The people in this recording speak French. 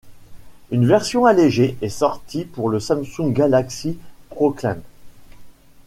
Une version allégée est sorti pour le Samsung Galaxy Proclaim.